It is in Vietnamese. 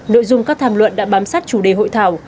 nội dung các tham luận đã bám sát chủ đề hội thảo